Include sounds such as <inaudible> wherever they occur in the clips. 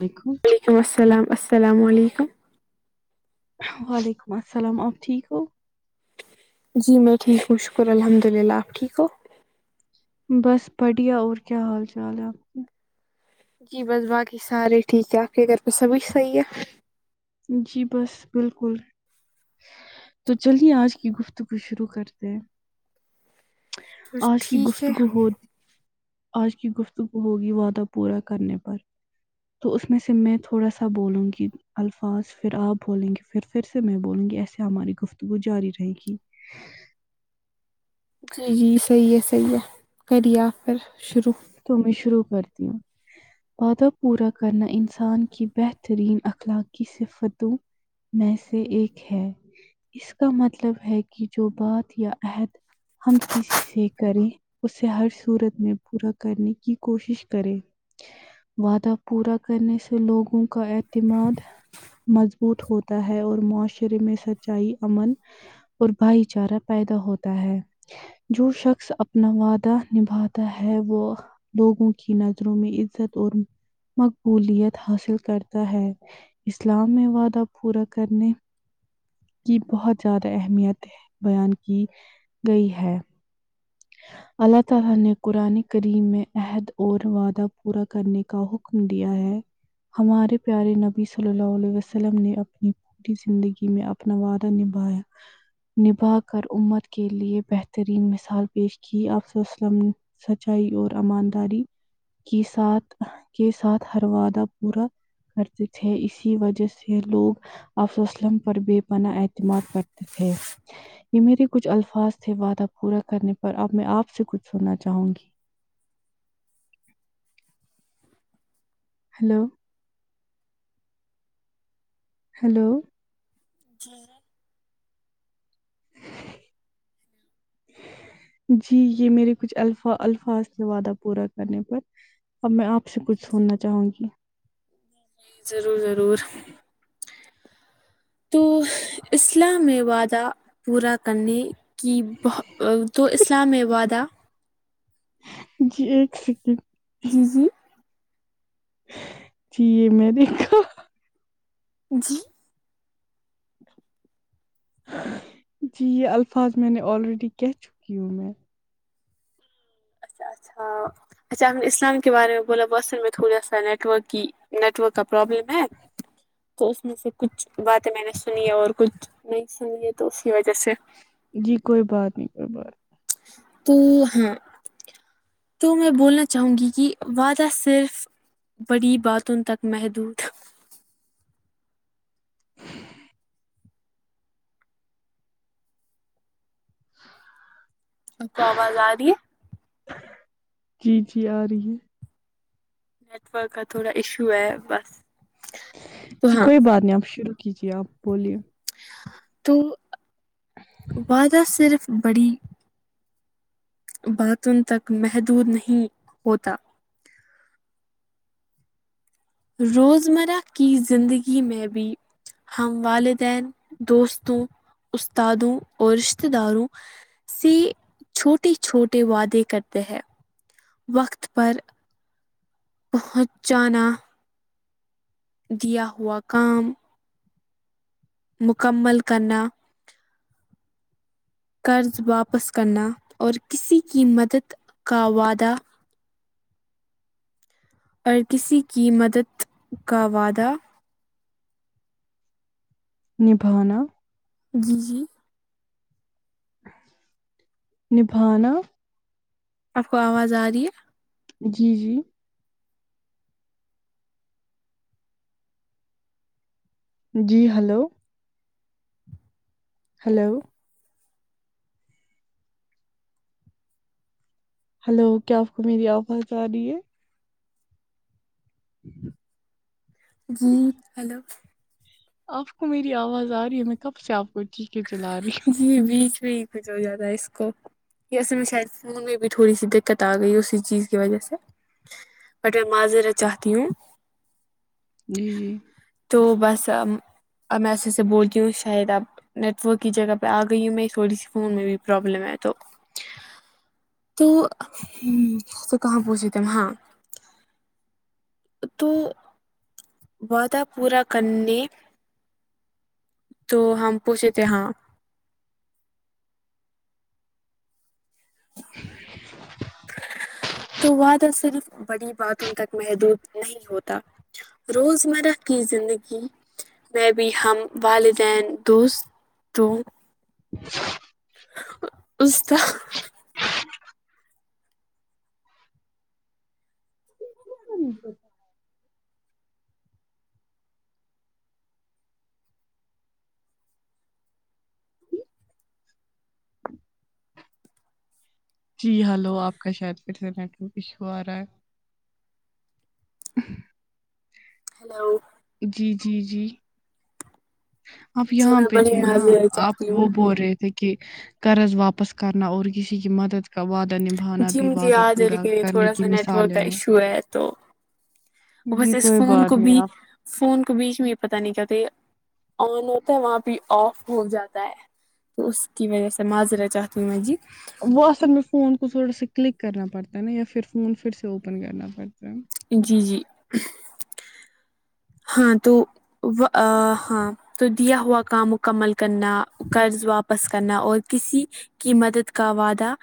دیکھو وعلیکم السلام السلام علیکم وعلیکم السلام آپ ٹھیک ہو جی میں ٹھیک ہوں شکر الحمد للہ آپ ٹھیک ہو بس بڑھیا اور کیا حال چال ہے آپ کا جی بس باقی سارے ٹھیک ہے آپ کے گھر پہ سبچ صحیح ہے جی بس بالکل تو چلیے آج کی گفتگو شروع کرتے ہے بس آج کی ٹھیک ہے گفتگو ہوت آج کی گفتگو ہوگی وعدہ پورا کرنے پر تو اس میں سے میں تھوڑا سا بولوں گی الفا فاظ پھر آپ بولیں گے پھر پھر سے میں بولوں گی ایسے ہماری گفتگو جاری رہے گی جی جی صحیح ہے صحیح ہے کری آ پ پھر شروع تو میں شروع کرتی ہوں وعدہ پورا کرنا انسان کی بہترین اخلاقی صفتوں میں سے ایک ہے اس کا مطلب ہے کہ جو بات یا عہد ہم کسی سے کریں اسے ہر صورت میں پورا کرنے کی کوشش کرے وعدہ پورا کرنے سے لوگوں کا اعتماد مضبوط ہوتا ہے اور معاشرے میں سچائی امن اور بھائی چارہ پیدا ہوتا ہے جو شخص اپنا وعدہ نبھاتا ہے وہ لوگوں کی نظروں میں عزت اور مقبولیت حاصل کرتا ہے اسلام میں وعدہ پورا کرنے کی بہت زیادہ اہمیت بیان کی گئی ہے اللہ تعالی نے قرآن کریم میں عہد اور وعدہ پورا کرنے کا حکم دیا ہے ہمارے پیارے نبی صلی اللہ علیہ وسلم نے اپنی پوری زندگی میں اپنا وعدہ نبھایا نبھا کر امت کے لیے بہترین مثال پیش کی آپ صلی اللہ علیہ وسلم سچائی اور امانداری کی ساتھ کے ساتھ ہر وعدہ پورا کرتے تھے اسی وجہ سے لوگ آپ صلی اللہ علیہ وسلم پر بے پناہ اعتماد کرتے تھے یہ میرے کچھ الفاظ تھے وعدہ پورا کرنے پر اب میں آپ سے کچھ سننا چاہوں گی ہیلو ہیلو جی <unintelligible> جی یہ میرے کچھ الفا الفاظ تھے وعدہ پورا کرنے پر اب میں آپ سے کچھ سننا چاہوں گی ضرور ضرور تو اسلام میں وعدہ پورا کرنے کہ بہ تو اسلام میں وعدہ جی ایک سکینڈ جی جی جی یہ میری جی جی یہ الفاظ میں نے آلریڈی کہہ چکی ہوں میں اچھا اچھا اچھا ہم نے اسلام کے بارے میں بولا بس میں تھوڑا سا نیٹ ورک کی نیٹ ورک کا پرابلم ہے تو اس میں سے کچھ باتیں میں نے سنی ہے اور کچھ نہیں سن لی ہے تو اسی وجہ سے جی کوئی بات نہیں کوئی بات تو ہاں تو میں بولنا چاہوں گی کہ وعدہ صرف بڑی باتوں تک محدود آپ کو آواز آ رہی ہے جی جی آ رہی ہے نیٹ ورک کا تھوڑا ایشو ہے بس تو جی ہاں کوئی بات نہیں آپ شروع کیجیے آپ بولیے تو وعدہ صرف بڑی باتوں تک محدود نہیں ہوتا روزمرہ کی زندگی میں بھی ہم والدین دوستوں استادوں اور رشتے داروں سے چھوٹے چھوٹے وعدے کرتے ہیں وقت پر پہچانا دیا ہوا کام مکمل کرنا قرض واپس کرنا اور کسی کی مدد کا وعدہ اور کسی کی مدد کا وعدہ نبھانا جی جی نبھانا آپ کو آواز آ رہی ہے جی جی جی ہلو ہیلو ہلو کیا آپ کو میری آواز صحیح سے آ رہی ہے جی ہے ہیلو آپ کو میری آواز آ رہی ہے میں کب سے آپ کو چیخے چلا رہی جی بیچ بھی کچھ ہو جاتا ہے اس کو ا اسے میں شاید فون میں بھی تھوڑی سی دقت آ گئی اسی چیز کی وجہ سے بٹ میں معذرت چاہتی ہوں جی جی تو بس اب میں اسی سے بولتی ہوں شاید اب نیٹ ورک کی جگہ پہ آ گئی ہوں میں تھوڑی سی فون میں بھی پرابلم ہے تو تو تو کہاں پوچھے تھے ہم ہاں تو وعدہ پورا کرنے تو ہم پوچھے تھے ہاں تو وعدہ صرف بڑی باتوں تک محدود نہیں ہوتا روزمرہ کی زندگی میں بھی ہم والدین دوست تو استا بالکل جی ہلو آپ کا شاید پھر سے نیٹورک ایشو آ رہا ہے ہیلو جی جی جی آپ جی یہاں میں پہ بڑی تھے نا معذرت آپ چاہتی ہوں وہ بول رہے تھے کے قرض واپس کرنا اور کسی کی مدد کا وعدہ نبھانا جی بھی مجھے وعدہ یاد ہے پورا لیکن یہ کرنے تھوڑا کی سا نیٹ ورک مثالیں کا ہیں ایشو ہے تو بس جی اس کوئی فون کو بات نہیں بھی آپ فون کو بیچ میں یہ پت نہیں کیا ہوتا ہے یہ آن ہوتا ہے وہاں بھی آف ہو جاتا ہے تو اس کی وجہ سے معاذرت چاہتی ہو مجید وہ اصل میں فون کو تھوڑا سا کلک کرنا پڑتا ہے نا یا پھر فون پھر سے اوپن کرنا پڑتا ہے جی جی ہاں تو ہاں تو دیا ہوا کام مکمل کرنا قرض واپس کرنا اور کسی کی مدد کا وعدہ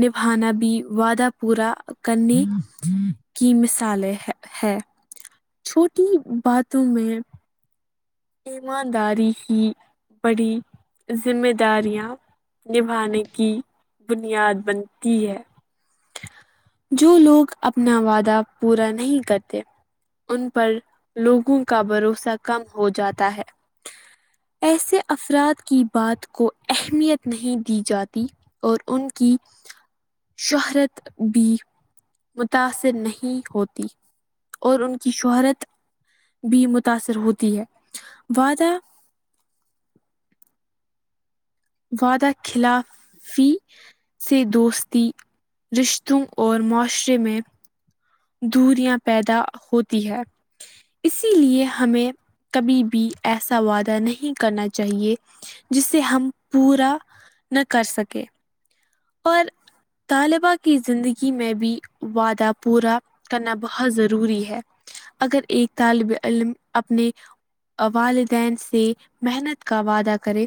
نبھانا بھی وعدہ پورا کرنے کی مثالیں ہے چھوٹی باتوں میں ایمانداری کی بڑی ذمہ داریاں نبھانے کی بنیاد بنتی ہے جو لوگ اپنا وعدہ پورا نہیں کرتے ان پر لوگوں کا بھروسہ کم ہو جاتا ہے ایسے افراد کی بات کو اہمیت نہیں دی جاتی اور ان کی شہرت بھی متاثر نہیں ہوتی اور ان کی شہرت بھی متاثر ہوتی ہے وعدہ وعدہ خلاف فی سے دوستی رشتوں اور معاشرے میں دوریاں پیدا ہوتی ہے اسی لیے ہمیں کبھی بھی ایسا وعدہ نہیں کرنا چاہیے جسے ہم پورا نہ کر سکیں اور طالبہ کی زندگی میں بھی وعدہ پورا کرنا بہت ضروری ہے اگر ایک طالب علم اپنے والدین سے محنت کا وعدہ کرے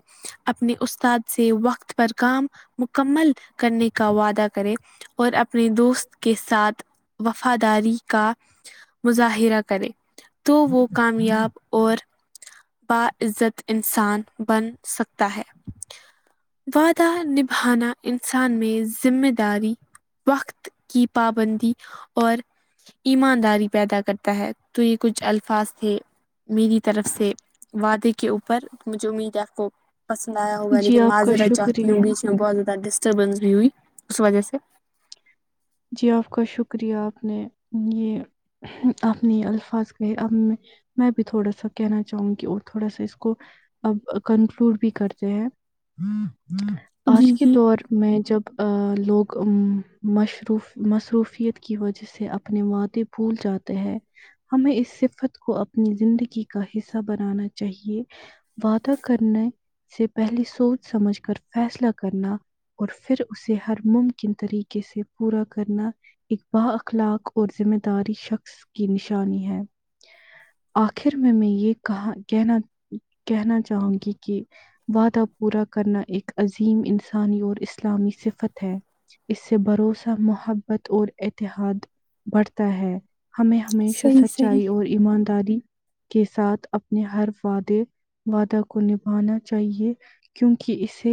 اپنے استاد سے وقت پر کام مکمل کرنے کا وعدہ کریں اور اپنے دوست کے ساتھ وقت وفاداری کا مظاہرہ کرے تو وہ کامیاب اور بعزت انسان بن سکتا ہے وعدہ نبھانا انسان میں ذمہ داری وقت کی پابندی اور ایمانداری پیدا کرتا ہے تو یہ کچھ الفاظ تھے میری طرف سے وعدے کے اوپر مجھے امید ہے کو پسند آیا ہوگا جی لیکن میں آپ کا معذرت چاہتی شکریہ ہوں بیچ میں بہت زیادہ ڈسٹربینس بھی ہوئی اس وجہ سے جی آپ کا شکریہ آپ نے یہ اپنی الفاظ کہ اب میں میں بھی تھوڑا سا کہنا چاہوں گی اور تھوڑا سا اس کو اب کنکلوڈ بھی کرتے ہیں جی آج کے جی دور میں جب لوگ مش و مصروفیت کی وجہ سے اپنے وعدے بھول جاتے ہیں ہمیں اس صفت کو اپنی زندگی کا حصہ بنانا چاہیے وعدہ کرنے سے پہلے سوچ سمجھ کر فیصلہ کرنا اور پھر اسے ہر ممکن طریقے سے پورا کرنا ایک با اخلاق اور ذمہ داری شخص کی نشانی ہے آخر میں میں یہ کہا کہنا کہنا چاہوں گی کہ وعدہ پورا کرنا ایک عظیم انسانی اور اسلامی صفت ہے اس سے بھروسہ محبت اور اتحاد بڑھتا ہے ہمیں ہمیشہ صحیح صحیح سچائی اور ایمانداری کے ساتھ اپنے ہر وعدے وعدہ کو نبھانا چاہیے کیونکہ اسے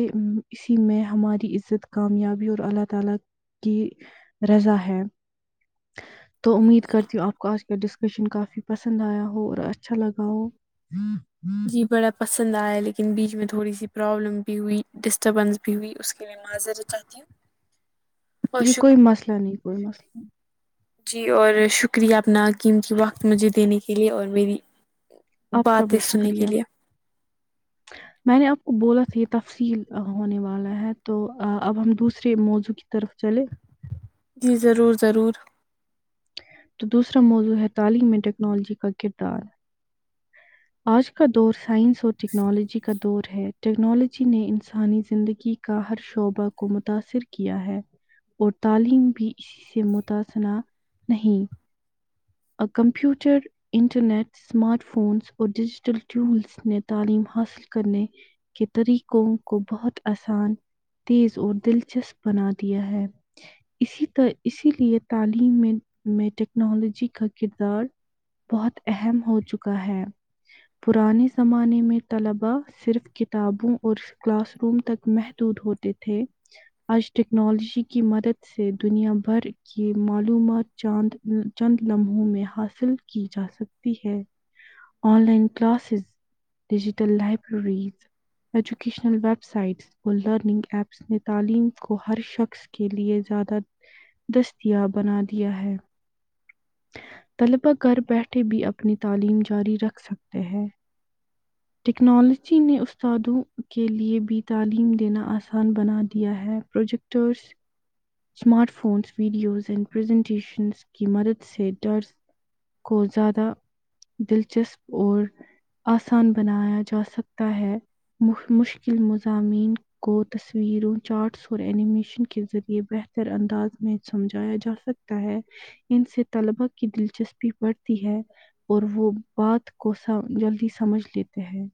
اسی میں ہماری عزت کامیابی اور اللہ تعالی کی رضا ہے تو امید جی کرتی ہوں آپ کو آج ڈسکشن کافی پسند آیا ہو اور اچھا لگا ہو جی بڑا پسند آیا لیکن بیچ میں تھوڑی سی پروابلم بھی ہوئی ڈسٹربینس بھی ہوئی اس کے لیے معذر چاہتی ہوں اور جی شکر کوئی مسئلہ نہیں کوئی مسئلہ نہیں جی اور شکریہ اپنا قیمتی وقت مجھے دینے کے لیے اور میری آپ کا باتیں بھی سننے کے شکریہ۔ لیے میں نے آپ کو بولا تھا یہ تفصیل ہونے والا ہے تو اب ہم دوسرے موضوع کی طرف چلے جی ضرور ضرور تو دوسرا موضوع ہے تعلیم میں ٹیکنالوجی کا کردار آج کا دور سائنس اور ٹیکنالوجی کا دور ہے ٹیکنالوجی نے انسانی زندگی کا ہر شعبہ کو متاثر کیا ہے اور تعلیم بھی اسی سے متثنہ نہیں آ کمپیوٹر انٹرنیٹ اسمارٹ فونس اور ڈیجیٹل ٹولس نے تعلیم حاصل کرنے کے طریقوں کو بہت آسان تیز اور دلچسپ بنا دیا ہے اسی طرح اسی لیے تعلیم میں میں ٹیکنالوجی کا کردار بہت اہم ہو چکا ہے پرانے زمانے میں طلباء صرف کتابوں اور کلاس روم تک محدود ہوتے تھے آج ٹیکنالوجی کی مدد سے دنیا بھر کی معلومات چاند چند لمحوں میں حاصل کی جا سکتی ہے online classes digital libraries educational websites اور لرننگ ایپس نے تعلیم کو ہر شخص کے لئے زیادہ دستیاب بنا دیا ہے طلبا گھر بیٹھے بھی اپنی تعلیم جاری رکھ سکتے ہیں ٹیکنالوجی نے استادوں کے لیے بھی تعلیم دینا آسان بنا دیا ہے project ٹس smart phones videos and presentation کی مدد سے ڈر کو زیادہ دلچسپ اور آسان بنایا جا سکتا ہے مشکل مضامین کو تصویروں چارٹس اور انینیمیشن کے ذریعے یہ بہتر انداز میں سمجھایا جا سکتا ہے ان سے طلبا کی دلچسپی بڑھتی ہے اور وہ بات کو سا جلدی سمجھ لیتے ہیں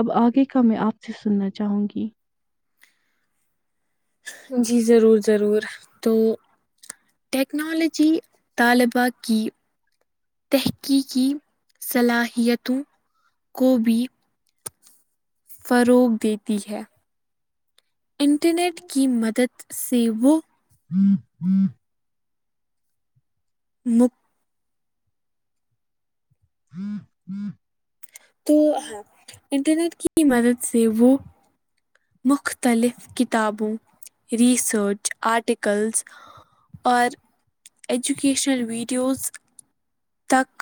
اب آگے کا میں آپ سے سننا چاہوں گی جی ضرور ضرور تو ٹیکنالوجی طالبہ کی تحقیقی صلاحیتوں کو بھی فروغ دیتی ہے انٹرنیٹ کی مدد سے وہ <unintelligible> تو ہاں انٹرنیٹ کی مدد سے وہ مختلف کتابوں ریسرچ آرٹکلز اور ایجوکیشنل ویڈیوز تک